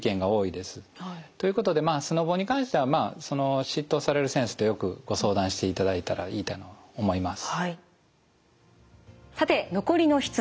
ということでスノボに関しては執刀される先生とよくご相談していただいたらいいと思います。